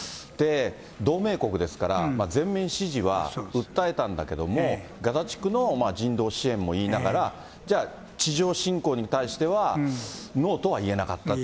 同盟国ですから、全面支持は訴えたんだけども、ガザ地区の人道支援も言いながら、じゃあ、地上侵攻に対しては、ノーとは言えなかったと。